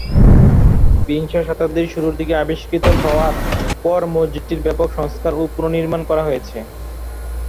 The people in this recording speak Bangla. বিংশ শতাব্দীর শুরুর দিকে আবিষ্কৃত হওয়ার পর মসজিদটির ব্যাপক সংস্কার ও পুনঃনির্মাণ করা হয়েছে।